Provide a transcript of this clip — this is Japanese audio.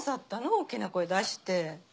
大きな声出して。